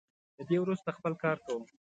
له دې وروسته خپل کار کوم.